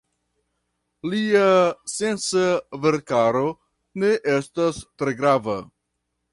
Lia scienca verkaro ne estas tre grava.